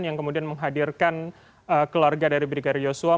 yang kemudian menghadirkan keluarga dari brigadir yosua